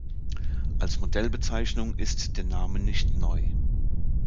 Als Modellbezeichnung ist der Name nicht neu.